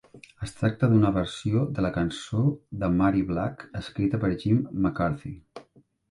Es tracta d'una versió de la cançó de Mary Black, escrita per Jimmy MacCarthy.